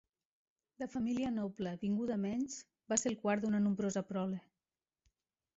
De família noble vinguda a menys, va ser el quart d'una nombrosa prole.